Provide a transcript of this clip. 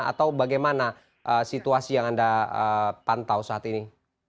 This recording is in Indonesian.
atau bagaimana situasi yang anda pantau saat ini